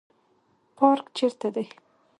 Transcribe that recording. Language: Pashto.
پارک چیرته دی؟